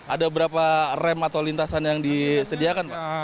ada berapa rem atau lintasan yang disediakan pak